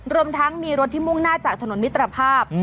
รวมทั้งมีรถที่มุ่งหน้าจากถนนมิตรภาพ